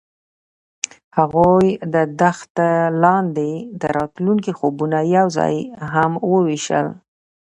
هغوی د دښته لاندې د راتلونکي خوبونه یوځای هم وویشل.